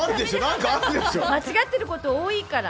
間違ってること多いから。